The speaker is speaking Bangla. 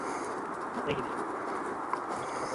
বাড়ির জন্যে তো মানুষ নয়, মানুষের জন্যই বাড়ি।